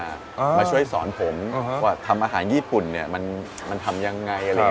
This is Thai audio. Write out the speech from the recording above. มาช่วยสอนผมว่าทำอาหารญี่ปุ่นมันทำอย่างไร